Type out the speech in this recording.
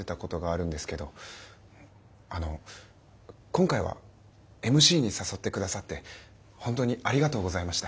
あの今回はＭＣに誘って下さって本当にありがとうございました。